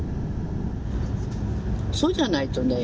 そうじゃないとね